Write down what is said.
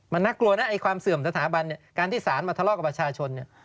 มันน่ากลัวนะไอ้ความเสื่อมสถาบันเนี่ยการที่สารมาทะเลาะกับประชาชนเนี่ย